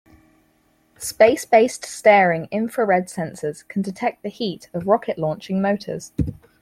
Space-based Staring Infrared Sensors can detect the heat of rocket launching motors.